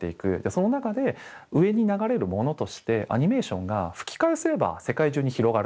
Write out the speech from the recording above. その中で上に流れるものとしてアニメーションが吹き替えをすれば世界中に広がる。